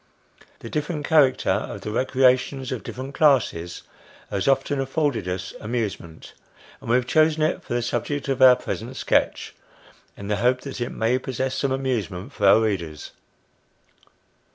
The different character of the recreations of different classes, has often afforded us amusement ; and we have chosen it for the subject of our present sketch, in the hope that it may possess some amusement for our readers.